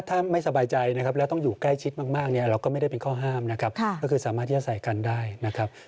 ถ้าไม่สบายใจนะครับแล้วต้องอยู่ใกล้ชิดมากเนี่ยเราก็ไม่ได้เป็นข้อห้ามนะครับก็คือสามารถที่จะใส่กันได้นะครับ